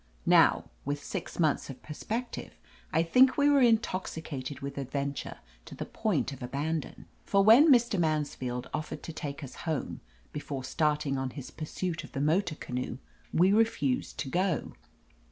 Now, with six months of perspective, I think we were in toxicated with adventure to the point of aban don. For when Mr. Mansfield offered to take us home, before starting on his pursuit of the motor canoe, we refused to go.